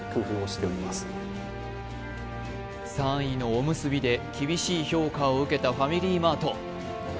３位のおむすびで厳しい評価を受けたファミリーマート